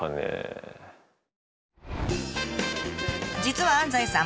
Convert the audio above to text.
実は安西さん